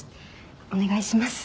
お願いします。